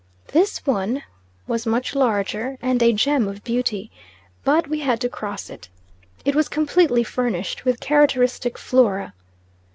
This one was much larger, and a gem of beauty; but we had to cross it. It was completely furnished with characteristic flora.